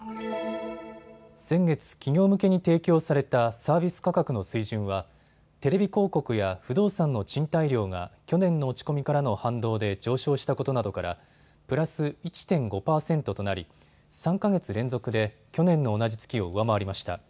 先月、企業向けに提供されたサービス価格の水準はテレビ広告や不動産の賃貸料が去年の落ち込みからの反動で上昇したことなどからプラス１．５％となり３か月連続で去年の同じ月を上回りました。